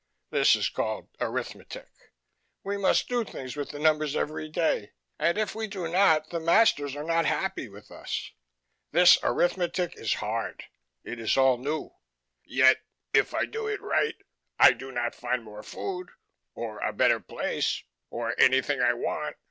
This is called arithmetic. We must do things with the numbers every day, and if we do not the masters are not happy with us. This arithmetic is hard: it is all new. Yet if I do it right I do not find more food or a better place or any thing I want.